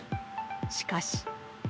しかし。